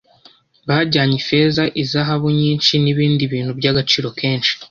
Bajyanye ifeza izahabu nyinshi n’ibindi bintu by’agaciro kenshi